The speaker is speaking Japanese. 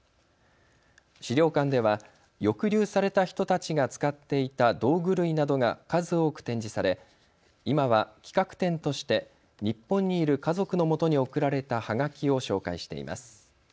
資料館では抑留された人たちが使っていた道具類などが数多く展示され今は企画展として日本にいる家族のもとに送られたはがきを紹介しています。